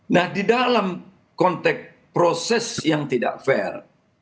nah di dalam konteks proses yang tidak fair